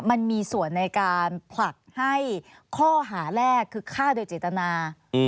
มันมีส่วนในการผลักให้ข้อหาแรกคือฆ่าโดยเจตนา